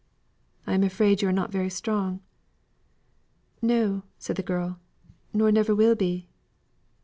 "I'm afraid you are not very strong." "No," said the girl, "nor never will be."